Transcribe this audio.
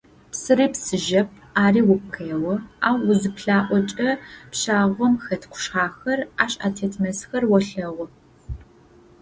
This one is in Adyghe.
Псыри псыжьэп, ари угу къео, ау узыплъаӏокӏэ, пщагъом хэт къушъхьэхэр, ащ атет мэзхэр олъэгъу.